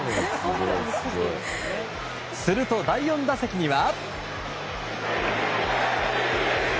すると、第４打席には。